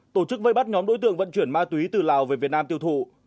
tổ chức vây bắt nhóm đối tượng vận chuyển ma túy từ lào về việt nam tiêu thụ